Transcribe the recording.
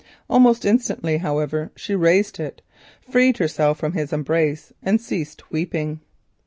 Almost instantly, however, she raised it, freed herself from his embrace and ceased weeping.